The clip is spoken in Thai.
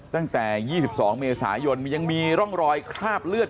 ตั้งแต่๒๒เมษายนยังมีร่องรอยคราบเลือด